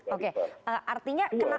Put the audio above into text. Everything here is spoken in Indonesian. oke artinya kenapa